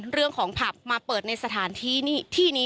เรื่องของผับมาเปิดในสถานที่นี่ที่นี้